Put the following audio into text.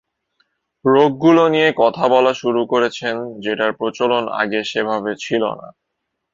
রোগগুলো নিয়ে কথা বলা শুরু করেছেন, যেটার প্রচলন আগে সেভাবে ছিল না।